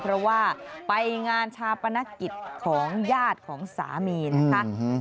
เพราะว่าไปงานชาปนกิจของญาติของสามีนะคะ